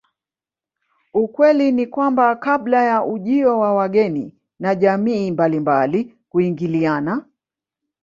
Ukweli ni kwamba kabla ya ujio wa wageni na jamii mbalilnmbali kuingiliana